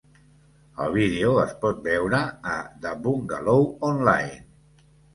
El vídeo es pot veure a "Da Bungalow Online".